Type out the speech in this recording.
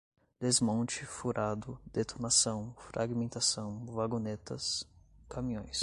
desmonte, furado, detonação, fragmentação, vagonetas, caminhões